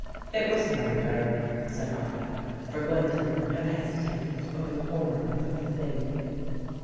"" It was murder," said I, for Gwendolen had hesitated over the horror of the thing.